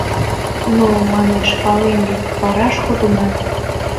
Но, — манеш, — пален лий, вараш кодынат.